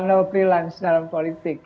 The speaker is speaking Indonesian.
no freelance dalam politik